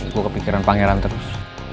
gue kepikiran pangeran terus